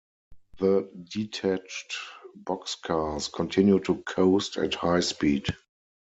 The detached boxcars continue to coast at high speed.